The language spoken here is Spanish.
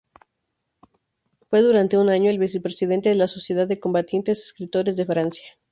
Fue durante un año el vicepresidente de la Sociedad de Combatientes Escritores de Francia.